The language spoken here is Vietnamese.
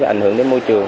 ảnh hưởng đến môi trường